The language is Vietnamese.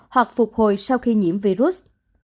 hoặc phục hồi sau khi nhiễm virus